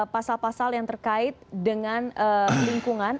pasal pasal yang terkait dengan lingkungan